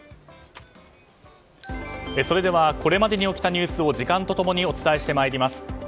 それではこれまでに起きたニュースを時間と共にお伝えしてまいります。